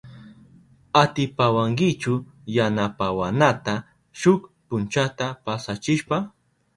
¿Atipawankichu yanapawanata shuk punchata pasachishpa?